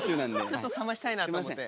ちょっと冷ましたいなと思って。